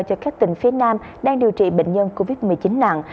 cho các tỉnh phía nam đang điều trị bệnh nhân covid một mươi chín nặng